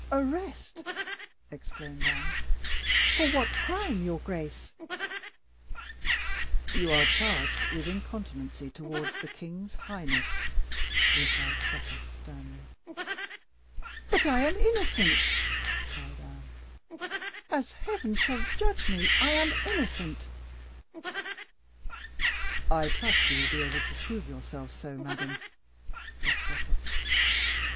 "Arrest!" exclaimed Anne; "for what crime, your grace?" "You are charged with incontinency towards the king's highness," replied Suffolk sternly. "But I am innocent!" cried Anne "as Heaven shall judge me, I am innocent!" "I trust you will be able to prove yourself so, madam," said Suffolk.